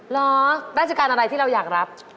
ราชการอะไรที่เราอยากรับ